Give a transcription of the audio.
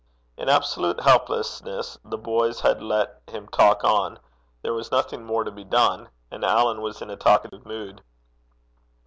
In absolute helplessness, the boys had let him talk on: there was nothing more to be done; and Alan was in a talkative mood.